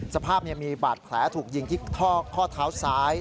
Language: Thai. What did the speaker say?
สภาพมีบาดแผลถูกยิงที่ข้อเท้าซ้าย